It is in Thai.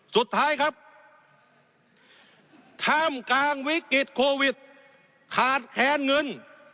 สุดท้ายครับท่ามกลางวิกฤตโควิดขาดแคลนเงิน